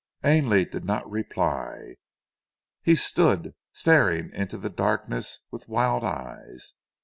Ainley did not reply. He stood staring into the darkness with wild eyes.